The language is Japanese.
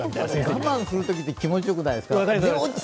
我慢するときって気持ちよくないですか？